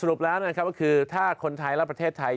รุปแล้วนะครับก็คือถ้าคนไทยและประเทศไทย